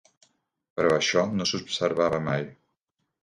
Però això no s'observava mai.